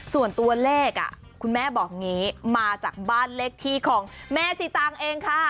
ส่วนตัวเลขคุณแม่บอกอย่างนี้มาจากบ้านเลขที่ของแม่สิตางเองค่ะ